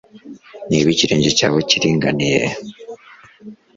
niba ikirenge cyawe kiringaniye